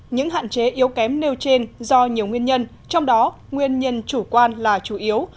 những hạn chế yếu kém nêu trên do nhiều nguyên nhân trong đó nguyên nhân chủ quan là chủ yếu